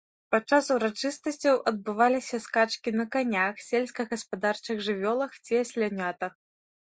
Падчас урачыстасцяў адбываліся скачкі на канях, сельскагаспадарчых жывёлах ці аслянятах.